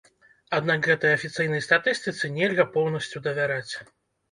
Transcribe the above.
Аднак гэтай афіцыйнай статыстыцы нельга поўнасцю давяраць.